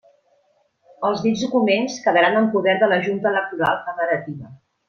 Els dits documents quedaran en poder de la junta electoral federativa.